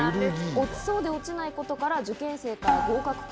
落ちそうで落ちないことから受験生から。